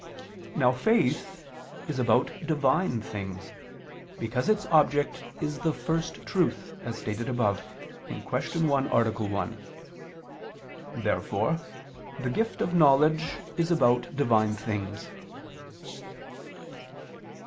Now faith is about Divine things, because its object is the First Truth, as stated above (Q. 1, A. 1). Therefore the gift of knowledge also is about Divine things.